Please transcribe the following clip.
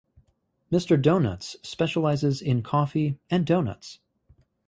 Mister Donuts specializes in coffee and doughnuts.